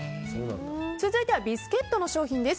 続いてはビスケットの商品です。